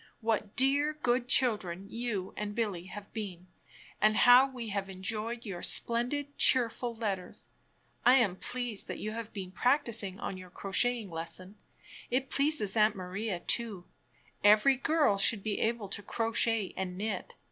What dear good children you and Billy have been, and how we have enjoyed your splendid cheerful letters. I am pleased that you have been practicing on your crocheting lesson. It pleases Aunt Maria, too. Every girl should be able to crochet and knit.